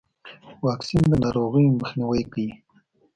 واکسین د ناروغیو مخنیوی کوي.